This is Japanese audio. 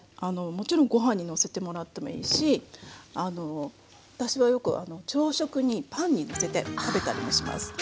もちろんご飯にのせてもらってもいいし私はよく朝食にパンにのせて食べたりもします。